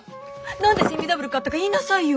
何でセミダブル買ったか言いなさいよ。